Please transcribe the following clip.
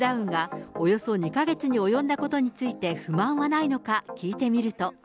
およそ２か月に及んだことについて、不満はないのか聞いてみると。